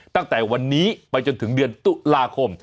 ตั้งแต่วันนี้ไปจนถึงเดือนตุลาคม